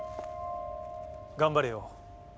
頑張れよ